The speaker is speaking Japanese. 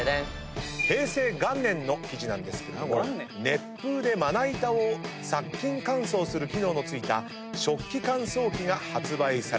平成元年の記事なんですけれども熱風でまな板を殺菌乾燥をする機能の付いた食器乾燥器が発売されると。